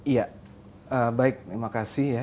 iya baik terima kasih ya